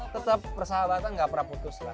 tetap persahabatan nggak pernah putus lah